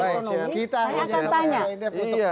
saya akan tanya